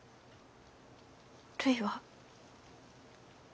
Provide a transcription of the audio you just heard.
るいは。